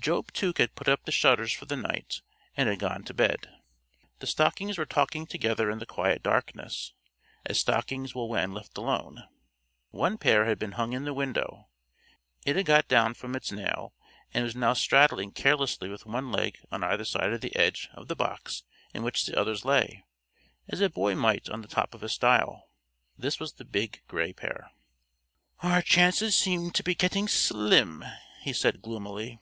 Job Tuke had put up the shutters for the night and had gone to bed. The stockings were talking together in the quiet darkness, as stockings will when left alone. One pair had been hung in the window. It had got down from its nail, and was now straddling carelessly with one leg on either side of the edge of the box in which the others lay, as a boy might on the top of a stile. This was the big gray pair. "Our chances seem to be getting slim," he said gloomily.